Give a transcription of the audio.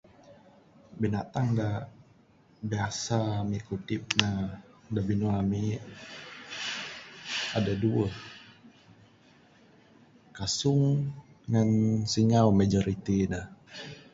Binatang da biasa ami kudip ne da binua ami adeh duweh, kasung ngan singau majoriti ne.